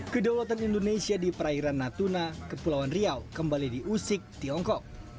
kedaulatan indonesia di perairan natuna kepulauan riau kembali diusik tiongkok